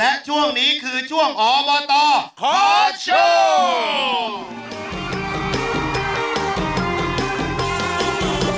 และช่วงนี้คือช่วงอบตขอโชค